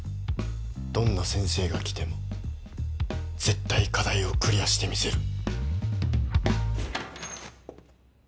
どんな先生が来ても絶対課題をクリアしてみせる。